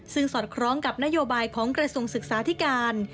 ซึ่งสอดคล้องกับนโยบายของกระทรวงศึกษาธิการ